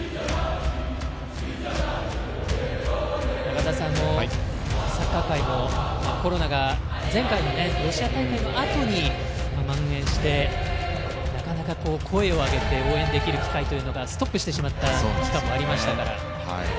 中澤さん、サッカー界もコロナが前回のロシア大会のあとにまん延して、なかなか声を上げて応援できる機会というのがストップしてしまった期間もありましたから。